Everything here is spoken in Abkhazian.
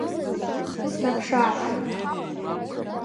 Снаԥшааԥшын.